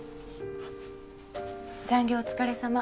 残業お疲れ様。